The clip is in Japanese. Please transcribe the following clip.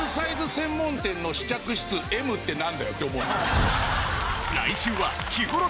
専門店の試着室Ｍって何だよって思うんすよ。